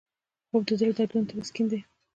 خوب د زړه دردونو ته تسکین دی